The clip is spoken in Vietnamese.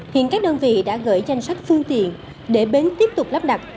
hiện các đơn vị đã gửi danh sách phương tiện để bến tiếp tục lắp đặt